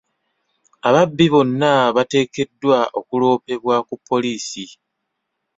Ababbi bonna bateekeddwa okuloopebwa ku poliisi.